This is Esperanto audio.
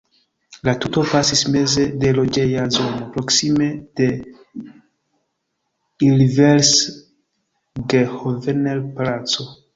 La tuto pasis meze de loĝeja zono proksime de Ilversgehovener-placo.